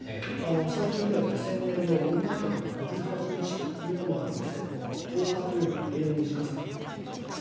最近では、２０００年の森内閣の５８日というのもあるんですけれども、この１０日というのは異例の短さといっていいと思います。